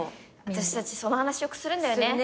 私たちその話よくするんだよね。